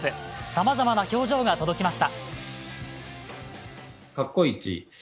さまざまな表情が届きました。